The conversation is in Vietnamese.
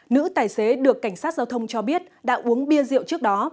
nữ tài xế được cảnh sát giao thông cho biết đã uống bia rượu trước đó